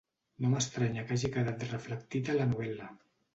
No m'estranya que hagi quedat reflectit a la novel·la.